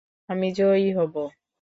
আমি জয়ী হবো।